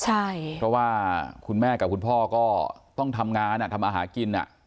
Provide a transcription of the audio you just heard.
เพราะว่าคุณแม่กับคุณพ่อก็ต้องทำงานทำอาหารกิน